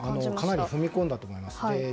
かなり踏み込んだと思います。